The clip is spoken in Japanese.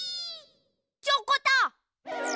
チョコタ！